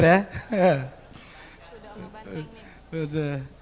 kuda sama banteng nih